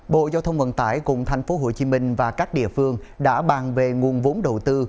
bộ giao thông nguồn tải cùng thành phố hồ chí minh và các địa phương đã bàn về nguồn vốn đầu tư